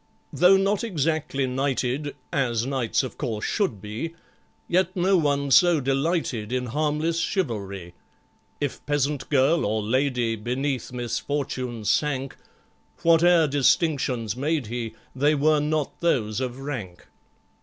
Though not exactly knighted As knights, of course, should be, Yet no one so delighted In harmless chivalry. If peasant girl or ladye Beneath misfortunes sank, Whate'er distinctions made he, They were not those of rank.